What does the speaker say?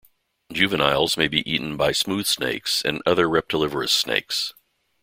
Juveniles may be eaten by Smooth Snakes and other reptilivorous snakes.